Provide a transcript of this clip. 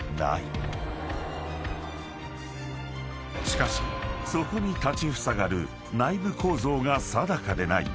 ［しかしそこに立ちふさがる内部構造が定かでない］